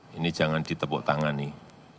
ini jangan ditepuk tangan nih